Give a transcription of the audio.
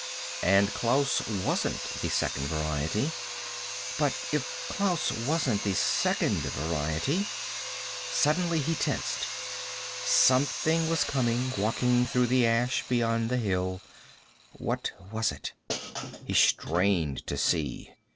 And Klaus wasn't the Second Variety. But if Klaus wasn't the Second Variety Suddenly he tensed. Something was coming, walking through the ash beyond the hill. What was it? He strained to see.